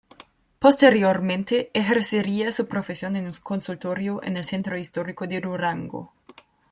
Posteriormente ejercería su profesión en un consultorio en el centro histórico de Durango.